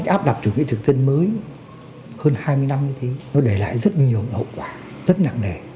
cái áp đạp chủ nghĩa thực dân mới hơn hai mươi năm như thế nó để lại rất nhiều hậu quả rất nặng nề